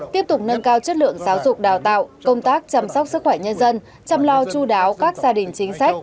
tiếp tục nâng cao chất lượng giáo dục đào tạo công tác chăm sóc sức khỏe nhân dân chăm lo chú đáo các gia đình chính sách